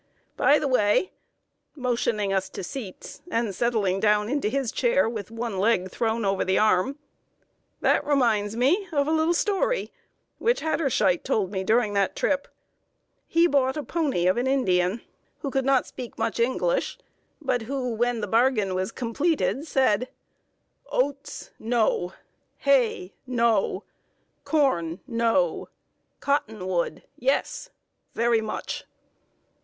By the way" (motioning us to seats, and settling down into his chair, with one leg thrown over the arm), "that reminds me of a little story, which Hatterscheit told me during the trip. He bought a pony of an Indian, who could not speak much English, but who, when the bargain was completed, said: 'Oats no! Hay no! Corn no! Cottonwood yes! very much!'